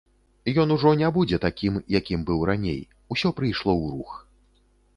Ён ужо не будзе такім, якім быў раней, усё прыйшло ў рух.